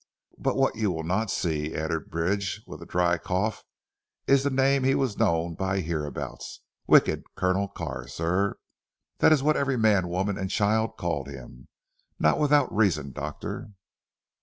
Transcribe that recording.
But what you will not see," added Bridge with a dry cough, "is the name he was known by hereabouts, wicked Colonel Carr sir. That is what every man woman and child called him, not without reason Doctor."